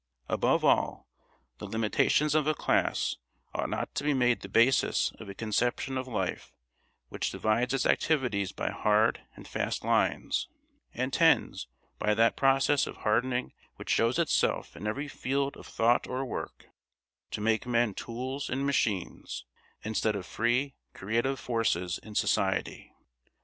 Above all, the limitations of a class ought not to be made the basis of a conception of life which divides its activities by hard and fast lines, and tends, by that process of hardening which shows itself in every field of thought or work, to make men tools and machines instead of free, creative forces in society.